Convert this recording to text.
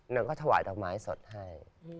นางก็ถวายดอกไม้สดให้